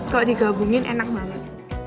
kalau digabungin enak banget